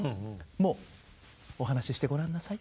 もうお話ししてごらんなさい。